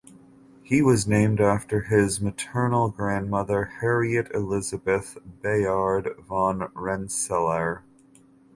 He was named after his maternal grandmother Harriet Elizabeth (Bayard) Van Rensselaer.